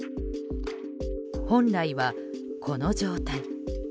本来は、この状態。